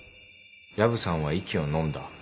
薮さんは息をのんだ。